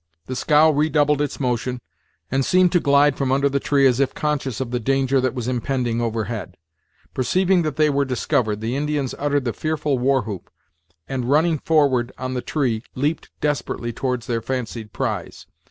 The scow redoubled its motion, and seemed to glide from under the tree as if conscious of the danger that was impending overhead. Perceiving that they were discovered, the Indians uttered the fearful war whoop, and running forward on the tree, leaped desperately towards their fancied prize.